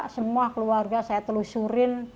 semua keluarga saya telusurin